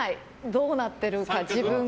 どうなってるか、自分が。